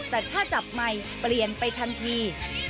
แต่ถ้าจับใหม่เปลี่ยนไปทันที